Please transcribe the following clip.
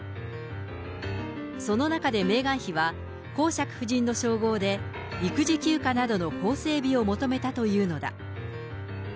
その中でメーガン妃は、公爵夫人の称号で、育児休暇などの法整備を求めたというのだ。